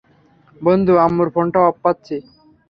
বন্ধু, আম্মুর ফোনটা অফ পাচ্ছি!